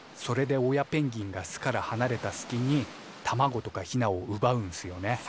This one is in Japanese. それで親ペンギンが巣からはなれたすきに卵とかヒナをうばうんすよね。